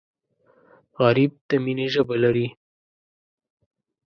غریب د مینې ژبه لري